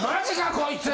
こいつ！